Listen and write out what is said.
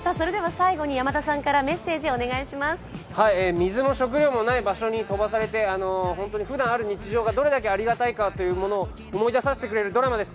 水も食料もない場所に飛ばされてふだんある日常がどれだけありがたいかというものを思い出させてくれるドラマです。